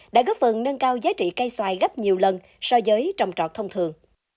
đã góp phần nâng cao giá trị cây xoài gấp nhiều lần so với trồng trọt thông thường